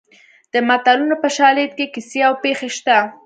د متلونو په شالید کې کیسې او پېښې شته